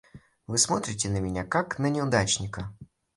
Вы смотрите на меня как на неудачника!